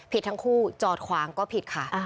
ทั้งคู่จอดขวางก็ผิดค่ะ